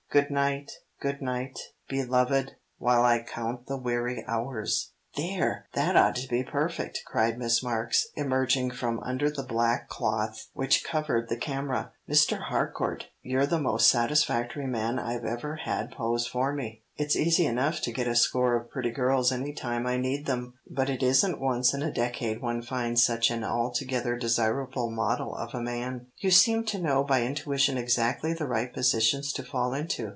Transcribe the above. Good night, good night, beloved, While I count the weary hours." "There! That ought to be perfect," cried Miss Marks, emerging from under the black cloth which covered the camera. "Mr. Harcourt, you're the most satisfactory man I've ever had pose for me. It's easy enough to get a score of pretty girls any time I need them, but it isn't once in a decade one finds such an altogether desirable model of a man. You seem to know by intuition exactly the right positions to fall into.